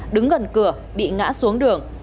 đứng gần cửa bị ngã xuống đường